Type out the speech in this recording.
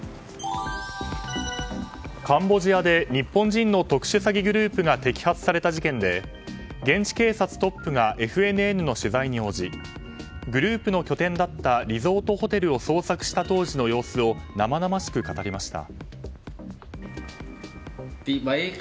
カンボジアで日本人の特殊詐欺グループが摘発された事件で現地警察トップがＦＮＮの取材に応じグループの拠点だったリゾートホテルを捜索した当時の様子を生々しく語りました。